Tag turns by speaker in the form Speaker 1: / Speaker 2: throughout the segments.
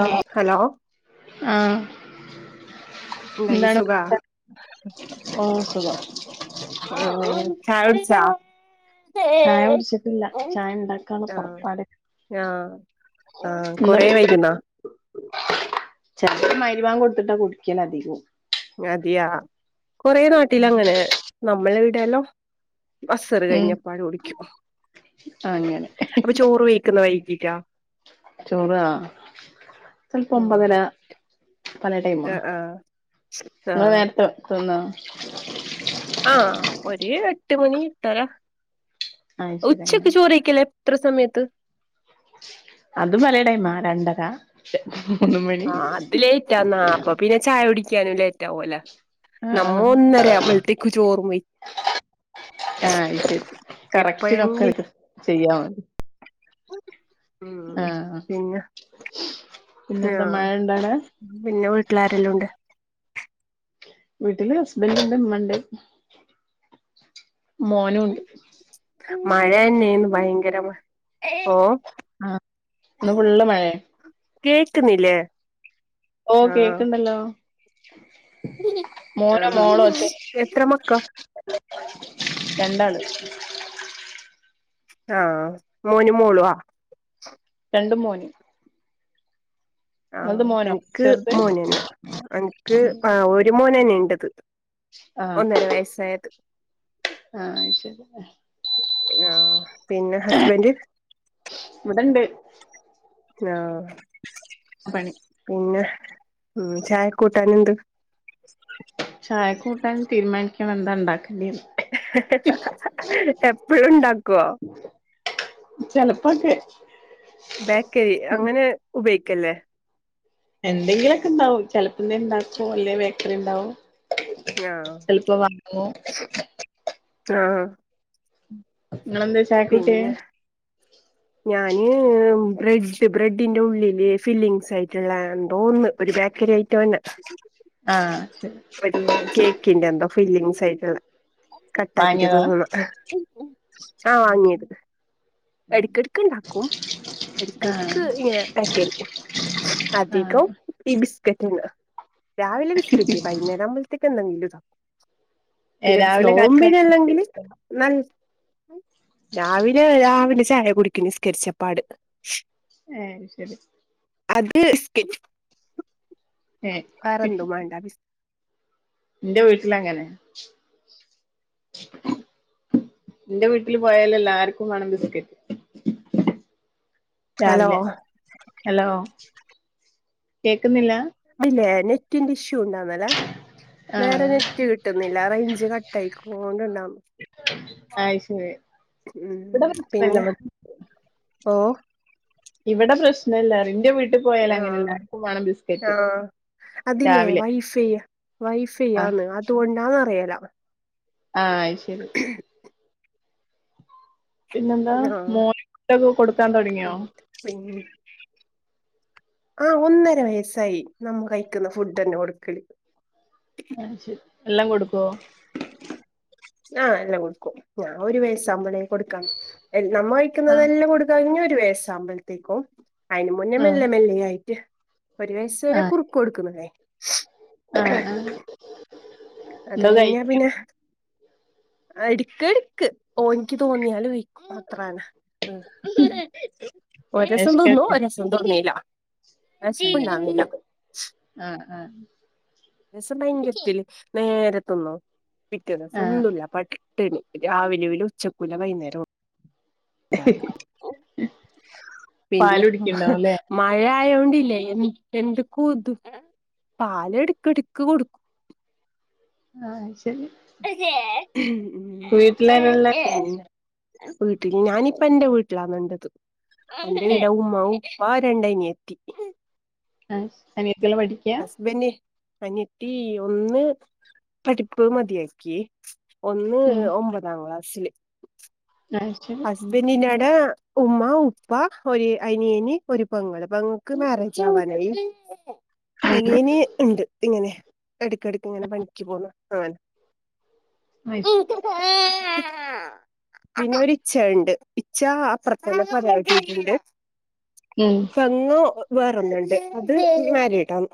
Speaker 1: Hello hello
Speaker 2: ആഹ്
Speaker 1: എന്തായി
Speaker 2: എന്താണ്
Speaker 1: സുഖാ
Speaker 2: ഓ സുഖം
Speaker 1: ആ ചായടിച്ചാ
Speaker 2: ചായ ഉടിച്ചിട്ടില്ല ചായ ഉണ്ടാക്കാ
Speaker 1: ആഹ്
Speaker 2: പൊറപ്പാട്
Speaker 1: ആഹ് ആഹ് കൊറേ വൈകുന്നാ
Speaker 2: ചെലപ്പം മഹ്രിബാങ്ക് കൊടുത്തിട്ടാ കുടിക്കൻ അധികവും
Speaker 1: അതയാ കൊറേ നാട്ടിലങ്ങനെ നമ്മളെ വിടെല്ലോ ബസറ്
Speaker 2: ഉം
Speaker 1: കഴിഞ്ഞപ്പാട് കുടിക്കും
Speaker 2: അങ്ങനെ
Speaker 1: അപ്പൊ ചോറ് വഴിക്കുന്ന വൈകിടാ
Speaker 2: ചോറ് ആഹ് ചല്പ് ഒമ്പതര
Speaker 1: ആഹ്
Speaker 2: പലടൈമാ
Speaker 1: ആഹ്
Speaker 2: ഇങ്ങള്
Speaker 1: ആഹ്
Speaker 2: നേരത്തെ തിന്നോ
Speaker 1: ആഹ് ഒരു എട്ട് മണി ഇട്ടരാ
Speaker 2: അയ് ശരി
Speaker 1: ഉച്ചക്ക്
Speaker 2: അങ്ങനെ
Speaker 1: ചോറയ്ക്കല് എത്ര സമയത്ത്
Speaker 2: അത് പലേടൈമാ രണ്ടര മൂന്ന് മണി
Speaker 1: ലേറ്റ് ആന്ന അപ്പ പിന്നെ ചായ കുടിക്കാനും ലേറ്റ് ആവോല നമ്മ
Speaker 2: ആഹ്
Speaker 1: ഒന്നര അവുബോൾത്തേക്ക് ചോറ വെയ്
Speaker 2: ആഹ് ഇക്
Speaker 1: എപ്പോഴെങ്കിലും
Speaker 2: കറക്റ്റ്ക്കെക്കെ ചെയ്യാമതി
Speaker 1: ഉം
Speaker 2: ആഹ്
Speaker 1: പിന്ന
Speaker 2: പിന്നെന്താ
Speaker 1: ആഹ്
Speaker 2: മഴ ഇണ്ടോ അവിടെ
Speaker 1: പിന്നെ വീട്ടിലാരെല്ലൊണ്ട്
Speaker 2: വീട്ടില് ഹസ്ബന്റണ്ട് ഉമ്മണ്ട് മോനുണ്ട്
Speaker 1: മഴ ന്നെയന്ന് ഭയങ്കര മ ഓ
Speaker 2: ആഹ് ഇന്ന് ഫുള്ള മയെ
Speaker 1: കേക്ക്ന്നില്ലേ
Speaker 2: ഓ കേക്ക്ണ്ടല്ലോ മോനോ മോളോ ഒച്ച
Speaker 1: എത്ര മക്ക
Speaker 2: രണ്ടാള്
Speaker 1: ആഹ് മോനു മോള് ആ
Speaker 2: രണ്ട് മോന് ഇങ്ങൾത്
Speaker 1: ആഹ്
Speaker 2: മോനോ
Speaker 1: അൻക്ക്
Speaker 2: ചെറുത്
Speaker 1: മോനന്ന അൻക്ക് ആ ഒരു മോനന്നെ ഇണ്ടത്
Speaker 2: ആഹ്
Speaker 1: ഒന്നര വയസ്സായത്
Speaker 2: ആഹ് ശരി
Speaker 1: ആഹ് പിന്നെ ഹസ്ബന്റ
Speaker 2: ഇവിടെഇണ്ട്
Speaker 1: ആഹ്
Speaker 2: പ്പണി
Speaker 1: പിന്നെ ഉം ചായക്ക് കൂട്ടാനെന്ത്?
Speaker 2: ചായക്കൂട്ടാൻ തീരുമാനിക്കണം എന്താ ഉണ്ടാക്കേണ്ടെന്ന്.
Speaker 1: എപ്പഴും ഉണ്ടാക്കുവോ?
Speaker 2: ചിലപ്പോക്കെ.
Speaker 1: ബേക്കരി അങ്ങനെ ഉപയോഗിക്കല്ലേ?
Speaker 2: എന്തെങ്കിലുമൊക്കെ ഉണ്ടാവും. ചെലസമയം ഉണ്ടാക്കും അല്ലെ ബേക്കറി ഉണ്ടാവും.
Speaker 1: ആഹ് ആഹ്
Speaker 2: നിങ്ങെന്താ ചായക്ക് കുട്ടിയെ?
Speaker 1: പിന്നെ ഞാന് ബ്രഡ ബ്രെഡിന്റെ ഉള്ളില് ഫില്ലിങ്സ് ആയിട്ടുള്ള എന്തോന്നന്ന് ഒരു ബേക്കറി ഐറ്റം തന്നെ.
Speaker 2: ആഹ് ശരി.
Speaker 1: കേക്കിന്റെ എന്തോ ഫില്ലിംഗ്സ് ആയിട്ടില്ലേ കട്ട ആക്കിട്ട്
Speaker 2: വാങ്ങിയതാ
Speaker 1: തിന്നുന്നെ. ആ വാങ്ങിയത്. [unintelligible] ഇണ്ടാക്കും ഇടക്ക്
Speaker 2: ആഹ്
Speaker 1: ഇടക്ക് ഇങ്ങനെ ആക്ക അധികം
Speaker 2: ആഹ്
Speaker 1: ഈ ബിസ്ക്കറ്റിന്ന് രാവിലെ ബിസ്കറ്റ് വൈകുന്നേരം ആകുമ്പോളത്തേക്ക് എന്ത വീലുതാക്കും
Speaker 2: ഏഹ്
Speaker 1: പിന്നെ
Speaker 2: രാവിലെ കാലി ചായക്ക്
Speaker 1: നോമ്പിനല്ലെങ്കില് [unintelligible] രാവിലെ രാവിലെ ചായ കുടി നിസ്കരിച്ചപ്പാട്
Speaker 2: ഏയ് അത് ശരി.
Speaker 1: അത് [unintelligible]
Speaker 2: ഏഹ്
Speaker 1: കറന്തും മണ്ടാ ബിസ്
Speaker 2: എന്റെ വീട്ടില അങ്ങനെ എന്റെ വീട്ടില് പോയാല് എല്ലാർക്കും വേണം ബിസ്കറ്റ്. ഉ
Speaker 1: ഹലോ
Speaker 2: രാവിലെ ഹലോ കേക്കുന്നില്ല?
Speaker 1: ഇത് ല്ലേ നെറ്റിന്റെ ഇഷ്യൂ ഉണ്ടോ ന്നലെ നേരെ
Speaker 2: ആഹ്
Speaker 1: നെ നെറ്റ് കിട്ടുന്നില്ല റേഞ്ച് കട്ട് ആയി [unintelligible]
Speaker 2: അത് ശരി ഇവിടെ
Speaker 1: ഉം
Speaker 2: പ്രശ്നഇല്ല
Speaker 1: പിന്നെ ഓ
Speaker 2: ഇവിടെ പ്രശ്നമല്ല ഇറിന്റെ വീ
Speaker 1: ആഹ് ആഹ് അതിലേ
Speaker 2: രാവിലെ
Speaker 1: വൈഫൈ യാ.
Speaker 2: ആഹ്
Speaker 1: വൈഫൈയാണ് അതുകൊണ്ടാന്ന അറിയല.
Speaker 2: ആഹ് ശരി പിന്നെന്താ
Speaker 1: ആഹ്
Speaker 2: മോയിട്ടൊക്കെ കൊടുക്കാൻ തുടങ്ങിയോ?
Speaker 1: [unintelligible] ആഹ ഒന്നര വയസ്സായി നമ്മ കഴിക്കുന്ന ഫുഡ് തന്നെ കൊടുക്കി.
Speaker 2: അത് ശരി എല്ലാം കൊടുക്കുവോ?
Speaker 1: ആഹ എല്ലാം കൊടുക്കും ഞാൻ ഒരു വയസംബലെ കൊടുക്കാം നമ്മ
Speaker 2: ആഹ്
Speaker 1: വഴിക്കുന്നതെല്ലാം കൊടുക്കാ ഇ ഒരു വയസ ആകുമ്പോഴത്തേക്കും. അതിന് മുന്നേ
Speaker 2: ആഹ്
Speaker 1: മെല്ലെ മെല്ല ആയിട്ട് ഒരു വയസ വരെ
Speaker 2: ആഹ്
Speaker 1: കുറുക്ക് കൊടുക്കു
Speaker 2: ആഹ് ആഹ്
Speaker 1: അത്
Speaker 2: എന്തോ
Speaker 1: കഴിഞ്ഞാ
Speaker 2: കഴിക്കും
Speaker 1: പിന്നെ, എടുക്ക എടുക്ക് ഒനിക്ക് തോന്നിയല് വിക്കും അത്രതന്നെ. ഒ ദിവസം തിന്നും ഒ ദിവസം തിന്നില്ല. വിശപ്പുണ്ടാവുന്നില്ല
Speaker 2: [unintelligible] ആഹ് ആഹ്
Speaker 1: രസ ഭയങ്കരത്തില് നേരെ തിന്നും പിറ്റെ ദിവസം
Speaker 2: ആഹ്
Speaker 1: തിന്നില്ല. പട്ടി തേനു രാവിലെലും ഉച്ചക്കുല്ല വൈകുന്നേരം [unintelligible] പിന്നെ
Speaker 2: പാല്
Speaker 1: ഹും ഹെ
Speaker 2: കുടിക്ക്ണ്ടാവും ല്ലേ
Speaker 1: മഴ ആയോണ്ടില്ലേ എൻ എന്തക്കൊ ഉത് പാല് എടുക്ക് എടുക്ക് കൊടുക്കും.
Speaker 2: ആഹ ഹെ ശരി
Speaker 1: [unintelligible]
Speaker 2: വീട്ടിലാരാള്ളെ
Speaker 1: പ്പാ വീട്ടില് ഞാനിപ്പ എന്റെ വീട്ടിലാണുണ്ടത്. എഎൻ്റെ
Speaker 2: ഉം
Speaker 1: ടെ ഉമ്മാവും വാ രണ്ടനിയത്തി
Speaker 2: ആഹ അനിയതില്ല പടി
Speaker 1: ഹസ്ബൻ്റ് അനത്തി ഒന്ന് പഠിപ്പ് മതിയാക്കി. ഒന്ന്
Speaker 2: ഉം
Speaker 1: ഒമ്പതാം ക്ളാസില്
Speaker 2: നഹ് അ
Speaker 1: ഹസ്ബൻ്റിനടാ ഉമ്മ ഉപ്പ ഒരു അനിയന് ഒരു പെങ്ങള് പെങ്ങ ക്ക് മാരേജ് ആവാനായി.
Speaker 2: [unintelligible]
Speaker 1: അനിയന് ഇണ്ട്. ഇങ്ങനെ ഇടക്കിടക്ക് ഇങ്ങനെ പണിക്ക് പോണ്. ആൻ
Speaker 2: വയസും
Speaker 1: [unintelligible] ഇച്ചണ്ട് ഇച്ച അപ്രത്തെനെ പ്പ കെറ്റി ട്ട്ണ്ട്.
Speaker 2: മും
Speaker 1: പെങ്ങോ വേറൊന്നണ്ട് അത് മാരിടാണ്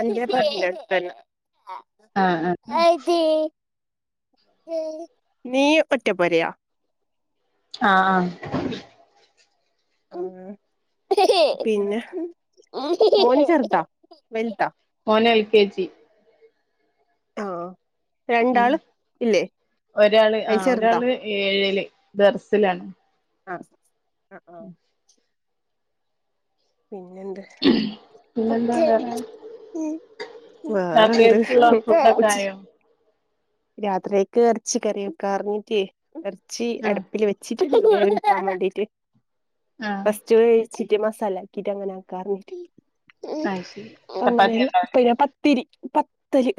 Speaker 1: അന്റെപരണ്ടട്തന്നെ- ആഹ്
Speaker 2: ആഹ ആഹെ
Speaker 1: നീ ഒറ്റപൊരായാ
Speaker 2: ആഹ ആഹ്
Speaker 1: ആ പിന്നെ മോന് ചെറുതാ വൽതാ-
Speaker 2: മോന് എൽ. കെ. ജി.
Speaker 1: ആഹാ
Speaker 2: ഉം ഒരാള്
Speaker 1: അതിൽ
Speaker 2: ആഹ
Speaker 1: ചെറുതാ
Speaker 2: ഒരാള് ഏഴില് ദർസിലാണ്.
Speaker 1: ആഹ അ
Speaker 2: മും
Speaker 1: പിന്നെന്ത്?
Speaker 2: പിന്നെന്താ വേറെ
Speaker 1: [inaudible] വേറെ
Speaker 2: രാത്രിയേക്ക്ള്ള ഫുഡൊക്കെ
Speaker 1: എന്ത്ച്ച?
Speaker 2: ആയോ
Speaker 1: [unintelligible] രാത്രിയക്ക് ഇറച്ചികറി കറിഞ്ഞിട്ട് ഇറച്ചി
Speaker 2: ആഹ്
Speaker 1: അട്പ്പില് വെ- ചിറ്റ് വേഡ്ചാവേണ്ടീട്ട്
Speaker 2: ആഹ്
Speaker 1: ഫസ്റ്റ് വേ- ച്ച്റ്റ മസാലക്കിട്ട് അങ്ങനെക്കാറ്ണ്ട്
Speaker 2: അത് ശരി ചപ്പാത്തി
Speaker 1: അങ്ങനെല്ലം
Speaker 2: ഉണ്ടാവുലേ
Speaker 1: പിന്നെ-പ്പ ത്തിരി പത്തല്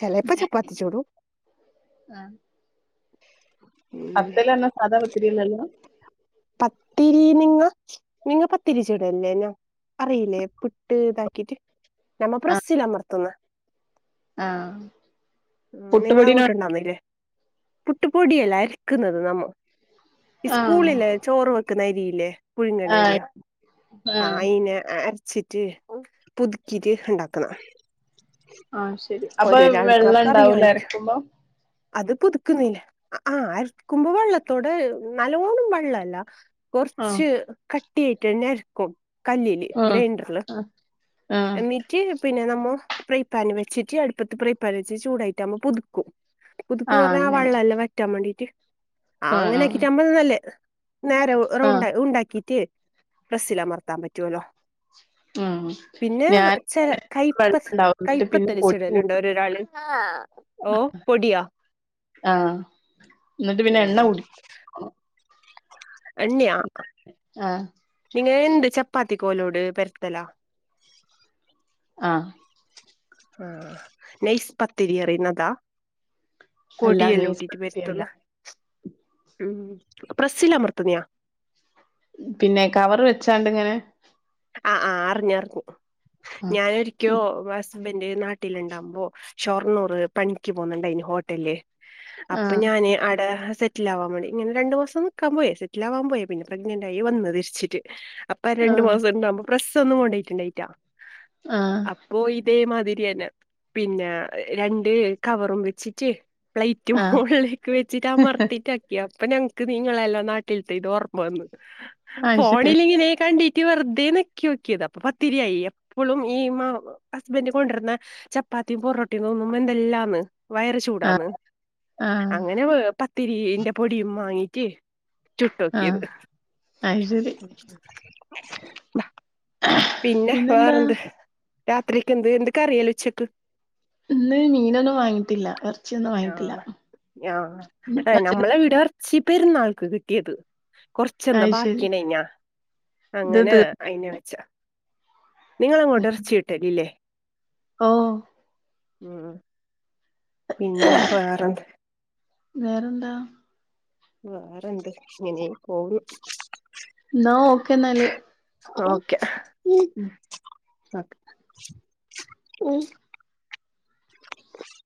Speaker 1: ചേലെപ്പ ചപ്പാത്തി ചുടും.
Speaker 2: ആഹ
Speaker 1: [unintelligible]
Speaker 2: പത്തല്റഞ്ഞ സാധാ പത്തിരില്ലല്ലോ?
Speaker 1: പത്തിരീ നിങ്ങ- നിങ്ങ പത്തിരിച്ചുടല്ലേന്നോ അറിയില്ലേ പുട്ട് ഇതാക്കീട്ട്- ഞമ്മ പ്രസ്സിലമർത്തുന്ന്.
Speaker 2: ആഹാ
Speaker 1: നിങ്ങളങ്ങോട്ട്ണ്ടാവുന്നില്ലേ? പുട്ടുപ്പൊടിയല്ലം അരക്കുന്നത് നമ്മ
Speaker 2: ആഹ്
Speaker 1: ഇസ്കൂളിലേ ചോറ് വെക്കുന്ന അരില്ലേ?
Speaker 2: ആഹ്
Speaker 1: പുഴുങ്ങല്ലരിയ ആ
Speaker 2: ആഹ്
Speaker 1: അയിനെ അരച്ചിട്ട്- പുതുക്കിറ്റ്, ഇണ്ടാക്കണം.
Speaker 2: ആഹ് ശരി അപ്പൊ
Speaker 1: ആൾക്കാർക്ക്
Speaker 2: വെള്ളംണ്ടാവൂലെ
Speaker 1: അറിയായിരിക്കും
Speaker 2: അരക്കുമ്പോ?
Speaker 1: അത് പുതുക്കുന്നില്ലെ ആഹ് അക്കുമ്പോ വെള്ളത്തോടെ നല്ലോണം വെള്ളല്ല.
Speaker 2: ആഹ്
Speaker 1: കൊറച്ച് കട്ടിയയിട്ട് ഞാൻ അരക്കും. കല്ലില്
Speaker 2: ആഹ്
Speaker 1: ഗ്രൈൻഡറില്.
Speaker 2: ആഹ് ആഹ്
Speaker 1: എന്നിറ്റ് പിന്നെ നമ്മൊ പ്രൈ പ്പാന് വെച്ചിട്ട് അടുപ്പത്ത് പ്രൈ പ്പാൻ വെച്ച് ചൂടായിട്ട് നമ്മ പുതുക്കും. പുതുക്ക്
Speaker 2: ആഹ്
Speaker 1: പറഞ്ഞാ ആ
Speaker 2: അങ്ങനെ
Speaker 1: വള്ളല്ലാ വറ്റാൻ വേണ്ടീട്ട് ആ.
Speaker 2: ആഹ്
Speaker 1: അങ്ങനെ
Speaker 2: ആഹ്
Speaker 1: ആക്കിട്ട അ [unintelligible] മ്പന്നല്ലേ. നേരെ ർ
Speaker 2: ആഹ്
Speaker 1: റൗണ്ട് ഉണ്ടാക്കിട്ട് പ്രസ്സി മർത്താൻ പറ്റുല്ലോ.
Speaker 2: ആഹ്.
Speaker 1: പിന്നെ
Speaker 2: ഞാൻ
Speaker 1: ചെല കയ്പ്പ
Speaker 2: വെള്ളണ്ടാവും എന്നിട്ട് പിന്നെ പൊടി
Speaker 1: കയ്പത്തലിച്ചെടലുണ്ട്
Speaker 2: കൂട്ടും
Speaker 1: രൊരാള്. [inaudible] ഓ പൊടിയ.
Speaker 2: ആഹ്. ന്നിട്ട് പിന്നെ എണ്ണ കുടി
Speaker 1: എണ്ണിയാ?
Speaker 2: ആഹ്
Speaker 1: നിങ്ങ എന്ത് ചപ്പാത്തി ക്കോലോട് പെരുത്തലാ.
Speaker 2: ആഹ്.
Speaker 1: ആഹ്. നെയസ്പത്തിരി അറീനതാ.
Speaker 2: അല്ല നെയ്സ്
Speaker 1: പൊടിയെല്ലാഒട്ടിട്ട് പ രുത്ത്ന.
Speaker 2: പത്തിരിയല്ല
Speaker 1: ഉം. പ്രെസ്സ്ല് അമർത്ത്ണാ.
Speaker 2: പിന്നെ കവർ വെച്ചാണ്ട് ങ്ങനെ.
Speaker 1: ആ ആ അറിഞ്ഞറിഞ്ഞ്‌.
Speaker 2: ആഹ്
Speaker 1: ഞാനൊര്. [inaudible] ക്കോ ഹസ്ബൻഡ് നാട്ടില്ണ്ടകുമ്പോ ഷൊർണ്ണൂറ് പണിക്ക് പോകുന്നുണ്ട അയിന് ഹോട്ടൽല്. അപ്പൊ
Speaker 2: ആഹ്
Speaker 1: ഞാന് അട സെ. [inaudible] റ്റിലാവാൻ വേണ്ടി ഇങ്ങനെ രണ്ടു മാസം ന്ക്കാൻ പോയി. സറ്റിലാവാൻ പോയെ. പിന്നെ പ്രെഗ്നന്റ് ആയി വന്ന് തിരിച്ചിട്ട്. അ [unintelligible] പ്പൊ രണ്ടു
Speaker 2: ആഹ്
Speaker 1: മാസം ഉണ്ടാവുമ്പോ പ്രസ്സ് ഒന്നും കൊണ്ടയിട്ടുണ്ടായിറ്റാ.
Speaker 2: ആ.
Speaker 1: അപ്പോ ഇതേമാതിരി അന്നെ. പിന്നേ രണ്ട് കവറും വെച്ചിട്ട്. അ പ്ലൈറ്റ്
Speaker 2: ആഹ്
Speaker 1: മോളിലൊക്കെ വെച്ചിട്ട് അമർത്തിട്ട്. [inaudible] യപ്പൊ ഞങ്ങക്ക് നിങ്ങളല്ലാം നാട്ടിൽത്തെ ഇത് ഓർമ്മ വന്ന്.
Speaker 2: അത് ശരി
Speaker 1: ഫോണിലിങ്ങനെ കണ്ടി. ക്കി വെറുതെ ഞെക്കി ഓ ക്കിയതാ. അപ്പൊ പത്തിരിയായി. എപ്പളും ഈ [unintelligible] ഹസ്ബൻഡ് കൊണ്ടിര്ണ. ചപ്പാത്തിം പൊറോട്ടിം തോന്നുമ്പ എന്തെല്ലാന്ന്. വയറ് ചൂടാന്ന്.
Speaker 2: ആഹ് ആഹ്
Speaker 1: അങ്ങനെ വ പത്തിരീന്റെ പൊടിയും മാങ്ങീറ്റ്. ചുട്ടോക്കിയത്.
Speaker 2: ആഹ് അത് ശരി
Speaker 1: [inaudible] പിന്നെ
Speaker 2: പിന്നെന്താ
Speaker 1: വേറെന്ത്? രാത്രിക്ക് എന്ത്. എന്ത് കറി എല്ലാ ഉച്ചക്ക്.
Speaker 2: ഇന്ന് മീനൊന്നും വാങ്ങിട്ടില്ല. എറച്ചിയൊന്നും വാങ്ങിട്ടില്ല.
Speaker 1: യാ... ഏ നമ്മളെ വീട. ച്ചി പെരുന്നാൾക്ക് കിട്ടിയത്. കൊറച്ചെന്താ
Speaker 2: അയ്ശരി
Speaker 1: ബാക്കിയനഞാ.
Speaker 2: ഇത്
Speaker 1: അങ്ങനെ.
Speaker 2: തീർ
Speaker 1: അയിന് വെച്ച. നിങ്ങളങ്ങോട്ട് എറച്ചി കിട്ടലില്ലേ?
Speaker 2: ഓ.
Speaker 1: ഉം. പിന്നെ വേറെന്ത്?
Speaker 2: വേറെന്താ?
Speaker 1: വേറെന്ത്. ഇങ്ങനെ പോണ്. [inaudible]
Speaker 2: ന്നാ ഓക്കെ എന്നാല്.
Speaker 1: ഓക്കെ. [unintelligible] ഒ [inaudible]